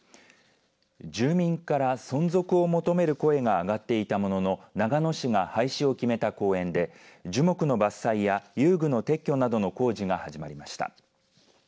住民から存続を求める声が上がっていたものの長野市が廃止を決めた公園で樹木の伐採や遊具の撤去などの工事が始まりました。